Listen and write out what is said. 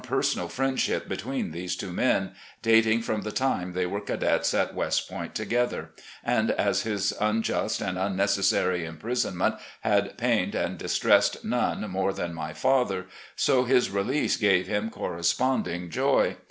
268 RECOLLECTIONS OP GENERAL LEE personal friendship between these two men, dating from the time they were cadets at West Point together, and as his unjust and unnecessary imprisonment had pained and distressed none more than my father, so his release gave him corresponding joy.